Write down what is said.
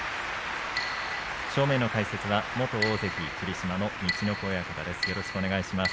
正面の解説は元大関霧島の陸奥親方です。